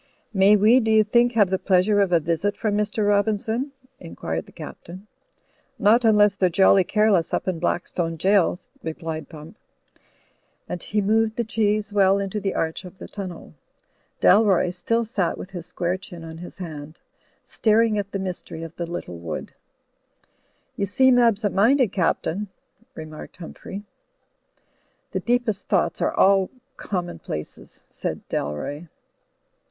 "May we, do you think, have the pleasure of a visit from Mr. Robinson?" inquired the Captain. "Not imless they're jolly careless up in Blackstone Gaol," replied Pump. And he moved the cheese well Digitized by CjOOQ IC vox POPULI VOX DEI 95 into the arch of the tunnel. Dalroy still sat with his square chin on his hand, staring at the mystery of the little wood. "You seem absent minded, Captain," remarked Humphrey. "The deepest thoughts are all commonplaces," said Dalroy.